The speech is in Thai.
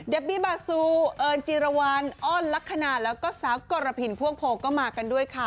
บี้บาซูเอิญจิรวรรณอ้อนลักษณะแล้วก็สาวกรพินพ่วงโพก็มากันด้วยค่ะ